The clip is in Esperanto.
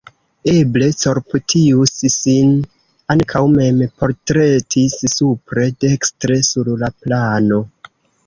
Eble Corputius sin ankaŭ mem portretis supre dekstre sur la plano.